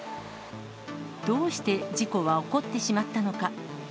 どうして事故は起こってしまったのか。